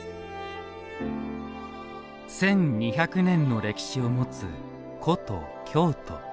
１２００年の歴史を持つ古都・京都。